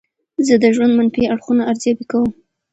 زه د ژوند منفي اړخونه ارزیابي کوم.